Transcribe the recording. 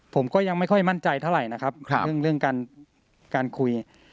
ผมก็ยังไม่ค่อยมั่นใจเท่าไหร่นะครับเรื่องการคุย